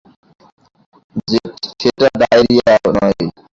সেটা ডায়রিয়া নয়।